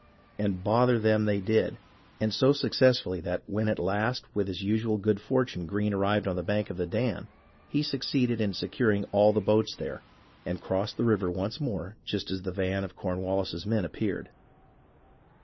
And "bother" them they did, and so successfully that when at last with his usual good fortune Greene arrived on the bank of the Dan, he succeeded in securing all the boats there, and crossed the river once more just as the van of Cornwallis's men appeared.